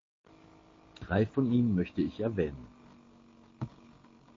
Drei von ihnen möchte ich erwähnen.